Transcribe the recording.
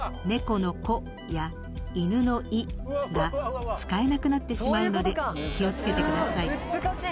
この「こ」やいぬの「い」が使えなくなってしまうので気をつけてください。